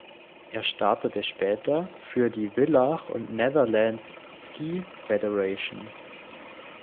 Er startete später für die "Villach and Netherlands Ski Federation".